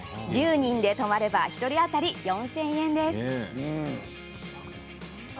１０人で泊まれば１人当たり、４０００円です。